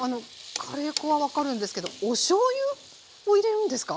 カレー粉は分かるんですけどおしょうゆを入れるんですか？